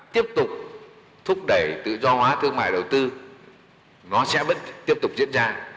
tiếp tục thúc đẩy tự do hóa thương mại đầu tư nó sẽ vẫn tiếp tục diễn ra